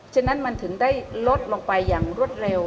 ฉะนั้นมันถึงได้ลดลงไปอย่างรวดเร็ว